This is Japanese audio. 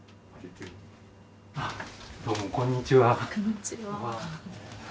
あっどうもこんにちは。